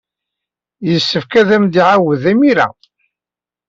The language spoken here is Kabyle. Yessefk ad am-d-iɛawed imir-a.